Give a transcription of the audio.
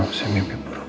maaf saya mimpi buruk